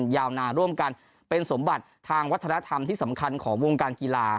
ยาวนานร่วมกันเป็นสมบัติทางวัฒนธรรมที่สำคัญของวงการกีฬา